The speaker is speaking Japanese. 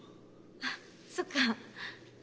あそっか。